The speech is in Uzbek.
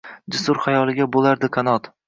Jasur xayoliga bo’lardi qanot